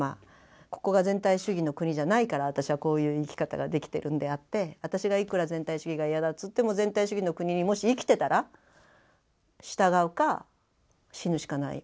ここが全体主義の国じゃないから私はこういう生き方ができてるんであって私がいくら全体主義が嫌だっつっても全体主義の国にもし生きてたら従うか死ぬしかない。